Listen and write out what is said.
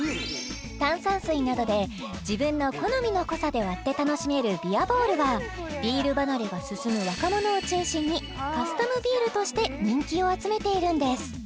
炭酸水などで自分の好みの濃さで割って楽しめるビアボールはビール離れが進む若者を中心にカスタムビールとして人気を集めているんです